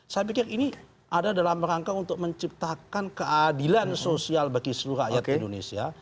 saya pikir ini ada dalam rangka untuk menciptakan keadilan sosial bagi seluruh rakyat indonesia